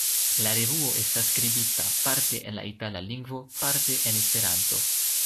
La revuo estas skribita parte en la Itala lingvo, parte en Esperanto.